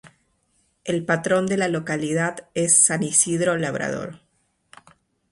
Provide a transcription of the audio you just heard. El patrón de la localidad es San Isidro Labrador.